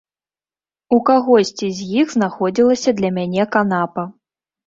У кагосьці з іх знаходзілася для мяне канапа.